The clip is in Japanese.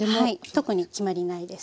特に決まりないです。